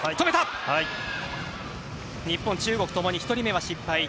日本、中国ともに１人目は失敗。